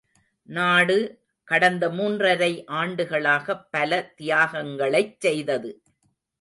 நாடு, கடந்த மூன்றரை ஆண்டுகளாகப் பல தியாகங்களைச் செய்தது.